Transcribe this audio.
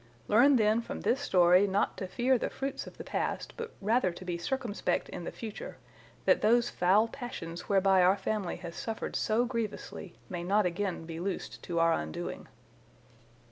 Learn then from this story not to fear the fruits of the past, but rather to be circumspect in the future, that those foul passions whereby our family has suffered so grievously may not again be loosed to our undoing.